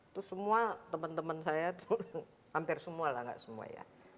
itu semua temen temen saya tuh hampir semua lah gak semua ya